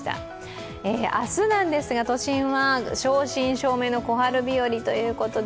明日なんですが、都心は正真正銘の小春日和ということで、